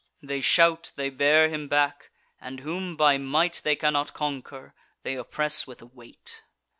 They shout: they bear him back; and, whom by might They cannot conquer, they oppress with weight.